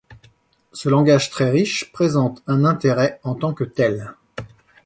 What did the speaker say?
Ce langage très riche présente un intérêt en tant que tel.